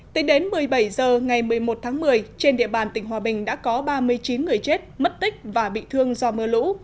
tính đến một mươi bảy h ngày một mươi một tháng một mươi trên địa bàn tỉnh hòa bình đã có ba mươi chín người chết mất tích và bị thương do mưa lũ